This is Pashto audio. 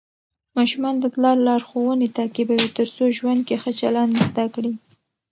ماشومان د پلار لارښوونې تعقیبوي ترڅو ژوند کې ښه چلند زده کړي.